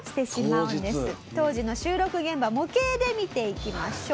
当時の収録現場模型で見ていきましょう。